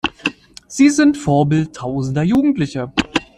Sie sind Vorbild tausender Jugendlicher.